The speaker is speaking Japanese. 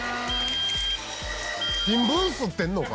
新聞刷ってんのか？